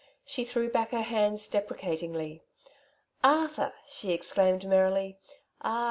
"She threw back her hands deprecatingly. '^ Arthur !^' she exclaimed merrily. '^ Ah